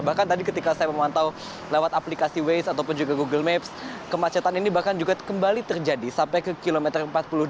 bahkan tadi ketika saya memantau lewat aplikasi waze ataupun juga google maps kemacetan ini bahkan juga kembali terjadi sampai ke kilometer empat puluh dua